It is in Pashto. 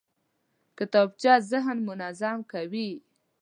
کتابچه ذهن منظم کوي